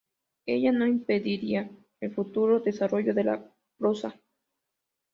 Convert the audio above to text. Ello no impedirá el futuro desarrollo de la prosa.